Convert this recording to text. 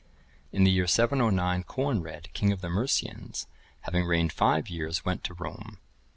] In the year 709, Coenred, king of the Mercians, having reigned five years, went to Rome.